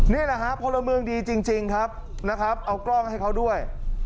นี่แหละครับพลเมืองดีจริงครับเอากล้องให้เขาด้วย